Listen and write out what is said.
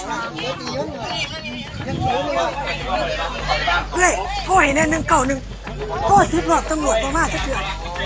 เฮ้ยโทรให้เนี้ยหนึ่งเก้าหนึ่งโทรสิบรอบตำรวจมามากสักเกือบ